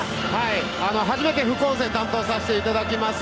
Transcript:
初めて副音声担当させていただきます